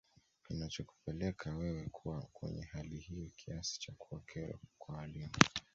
Kinachokupelekea wewe kuwa kwenye hali hiyo kiasi cha kuwa kero kwa walimu